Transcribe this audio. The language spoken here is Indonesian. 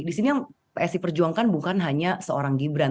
di sini yang psi perjuangkan bukan hanya seorang gibran